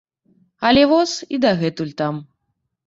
Але воз і дагэтуль там.